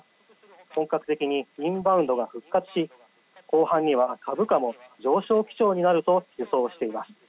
本格的にインバウンドが復活し後半には株価も上昇基調になると予想しています。